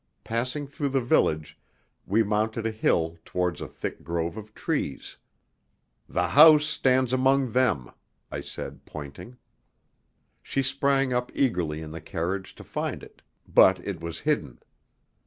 Passing through the village, we mounted a hill towards a thick grove of trees. "The house stands among them," I said, pointing. She sprang up eagerly in the carriage to find it, but it was hidden.